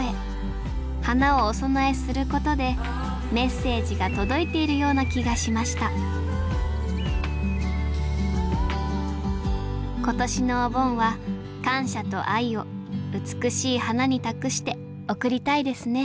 花をお供えすることでメッセージが届いているような気がしました今年のお盆は感謝と愛を美しい花に託して送りたいですね